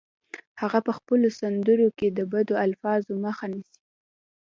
هغه په خپلو سندرو کې د بدو الفاظو مخه نیسي